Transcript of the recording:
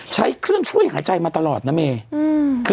ใช้เครื่องช่วยหายใจมาตลอดนะเมย์